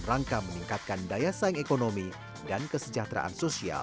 pemerintah kota lubuk linggau juga mempunyai segenap potensi baik wisata investasi maupun pendidikan